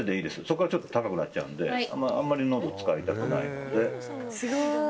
そこから高くなっちゃうのであんまりのど使いたくないので。